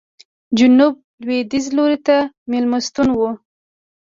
جنوب لوېدیځ لوري ته مېلمستون و.